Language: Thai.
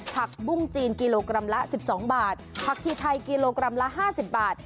ผักบุ้งจีนกิโลกรัมละ๑๒บาทผักชีไทยกิโลกรัมละ๕๐บาท